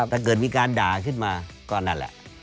ถ้าเกิดมีการด่าขึ้นมาก็นั่นแหละ